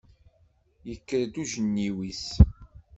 Yekker-d ujenniw-is.